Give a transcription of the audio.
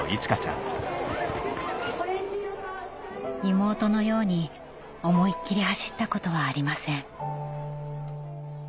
妹のように思いっきり走ったことはありません